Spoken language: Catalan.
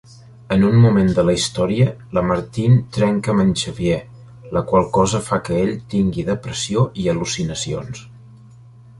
En un moment de la història, la Martine trenca amb el Xavier, la qual cosa fa que ell tingui depressió i al·lucinacions.